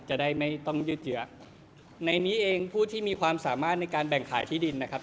จะได้ไม่ต้องยืดเยอะในนี้เองผู้ที่มีความสามารถในการแบ่งขายที่ดินนะครับ